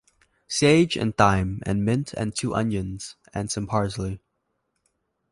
Sage and thyme, and mint and two onions, and some parsley.